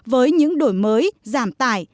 với những đổi mới giảm tải